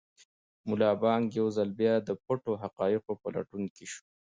ملا بانګ یو ځل بیا د پټو حقایقو په لټون کې شو.